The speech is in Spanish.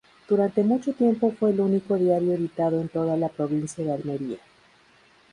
Durante mucho tiempo fue el único diario editado en toda la provincia de Almería.